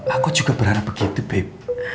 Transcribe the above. aku juga berharap begitu bibi